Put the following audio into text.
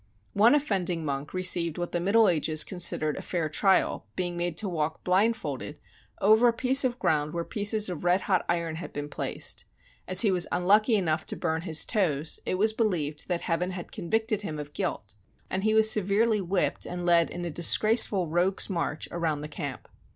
One of fending monk received what the Middle Ages con sidered a fair trial, being made to walk, blindfold, over a piece of ground where pieces of red hot iron had been placed. As he was unlucky enough to burn his toes, it was believed that Heaven had convicted him of guilt, and he was severely whipped and led in a disgraceful " rogue's march " around the camp.